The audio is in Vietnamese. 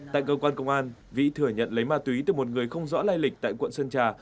tại cơ quan công an vĩ thừa nhận lấy ma túy từ một người không rõ lai lịch tại quận sơn trà